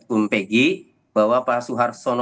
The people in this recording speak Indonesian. hukum pegi bahwa pak suharto